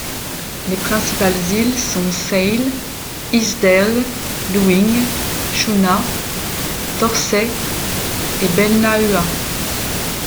Les principales îles sont Seil, Easdale, Luing, Shuna, Torsay et Belnahua.